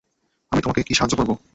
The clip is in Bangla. আমি কি তোমাকে সাহায্য করবো?